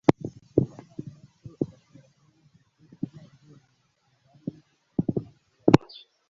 Abana bato bashobora kuba abakristo bafite ubunararibonye buhwanye n'imyaka yabo.